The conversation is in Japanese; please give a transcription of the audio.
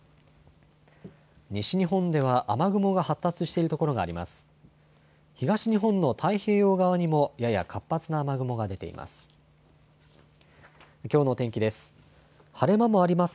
西日本では雨雲が発達しているところがあります。